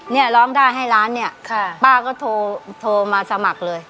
เนี่ยร้องได้ให้ล้านเนี่ยป้าก็โทรมาสมัครเลย